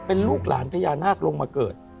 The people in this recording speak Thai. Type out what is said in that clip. เป็นลูกหลานพญานาคลงมาเกิด